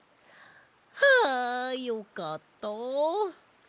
はあよかったあ。